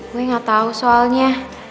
gue gak tau soalnya